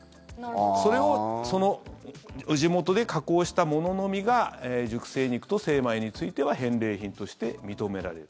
それをその地元で加工したもののみが熟成肉と精米については返礼品として認められる。